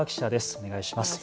お願いします。